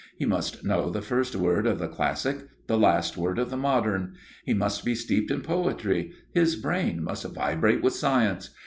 He must know the first word of the classic, the last word of the modern. He must be steeped in poetry, his brain must vibrate with science.